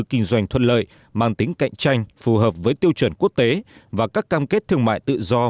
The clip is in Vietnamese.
kinh doanh thuận lợi mang tính cạnh tranh phù hợp với tiêu chuẩn quốc tế và các cam kết thương mại tự do